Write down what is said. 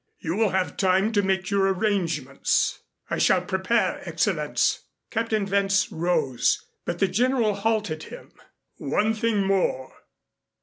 "You will have time to make your arrangements." "I shall prepare, Excellenz." Captain Wentz rose, but the General halted him. "One thing more.